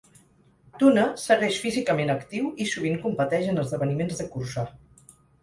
Thune segueix físicament actiu i sovint competeix en esdeveniments de cursa.